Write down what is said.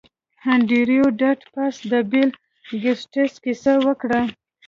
انډریو ډاټ باس د بیل ګیټس کیسه وکړه